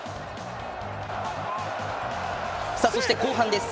そして、後半です。